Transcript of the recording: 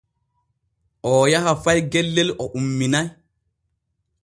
Oo yaha fay gellel o umminay.